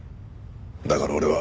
だから俺は。